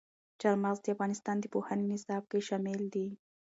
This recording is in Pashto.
چار مغز د افغانستان د پوهنې نصاب کې شامل دي.